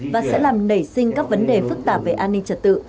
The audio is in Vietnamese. và sẽ làm nảy sinh các vấn đề phức tạp về an ninh trật tự